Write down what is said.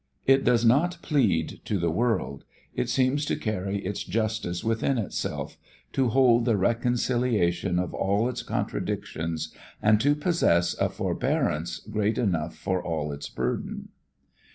It does not plead to the world; it seems to carry its justice within itself, to hold the reconciliation of all its contradictions and to possess a forbearance great enough for all its burden.